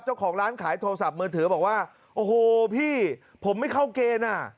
เจ้าของร้านขายโทรศัพท์มือถือบอกว่าโอ้โหพี่ผมไม่เข้าเกณฑ์อ่ะ